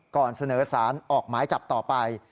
ก่อนเสนอสารออกหมายจับต่อไป